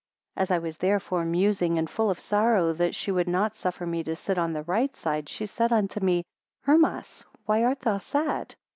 14 As I was therefore musing, and full of sorrow, that she would not suffer me to sit on the right side, she said unto me, Hermas, why art thou sad?